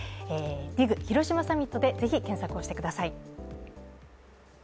「ＤＩＧ広島サミット」でぜひ、検索してみてください。